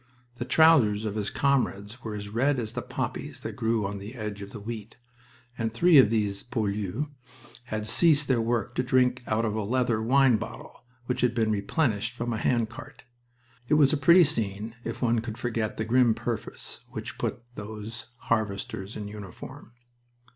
The trousers of his comrades were as red as the poppies that grew on the edge of the wheat, and three of these poilus had ceased their work to drink out of a leather wine bottle which had been replenished from a hand cart. It was a pretty scene if one could forget the grim purpose which had put those harvesters in uniform.